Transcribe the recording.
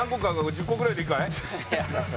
１０個ぐらいでいいかい？